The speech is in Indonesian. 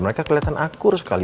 mereka keliatan akur sekali